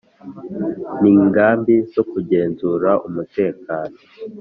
n ingamba zo kugenzura umutekano